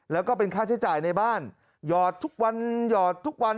แล้วก็เป็นค่าใช้จ่ายในบ้านหยอดทุกวันหยอดทุกวัน